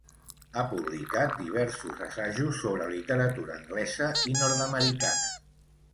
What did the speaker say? Ha publicat diversos assajos sobre literatura anglesa i nord-americana.